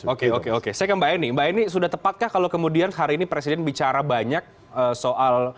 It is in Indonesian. oke oke oke saya ke mbak eni mbak eni sudah tepat kah kalau kemudian presiden bicara banyak soal